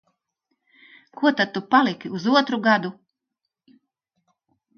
Ko tad tu paliki uz otru gadu?